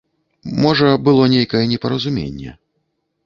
Можа, было нейкае непаразуменне.